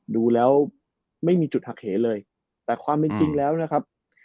ดูแล้วไม่มีจุดหักเหเลยแต่ความเป็นจริงแล้วนะครับ